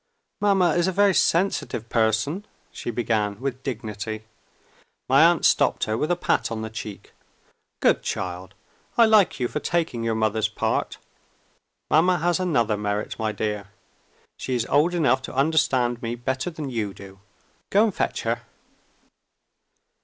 "Mamma is a very sensitive person," she began with dignity. My aunt stopped her with a pat on the cheek. "Good child! I like you for taking your mother's part. Mamma has another merit, my dear. She is old enough to understand me better than you do. Go and fetch her."